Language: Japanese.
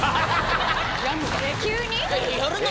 ・急に？